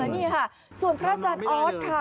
นี่ค่ะส่วนพระอาจารย์ออสค่ะ